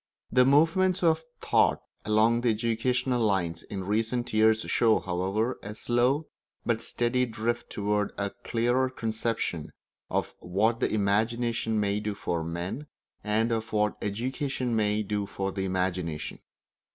The movements of thought along educational lines in recent years show, however, a slow but steady drift toward a clearer conception of what the imagination may do for men, and of what education may do for the imagination.